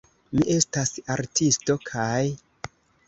Mi estas artisto, kaj...